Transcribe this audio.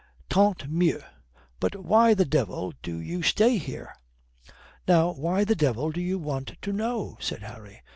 Tant mieux. But why the devil do you stay here?" "Now why the devil do you want to know?" said Harry.